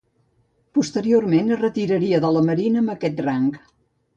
Posteriorment es retiraria de la Marina amb aquest rang.